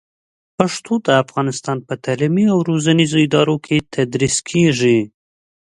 پښتو د افغانستان په تعلیمي او روزنیزو ادارو کې تدریس کېږي.